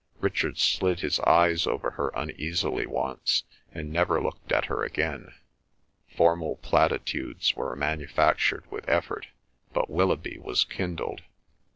Richard slid his eyes over her uneasily once, and never looked at her again. Formal platitudes were manufactured with effort, but Willoughby was kindled.